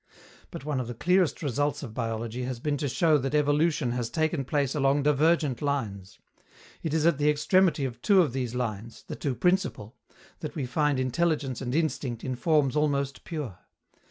But one of the clearest results of biology has been to show that evolution has taken place along divergent lines. It is at the extremity of two of these lines the two principal that we find intelligence and instinct in forms almost pure.